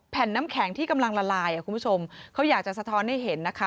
น้ำแข็งที่กำลังละลายอ่ะคุณผู้ชมเขาอยากจะสะท้อนให้เห็นนะคะ